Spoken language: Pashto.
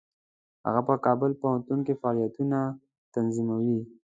هغه په کابل پوهنتون کې فعالیتونه تنظیمول.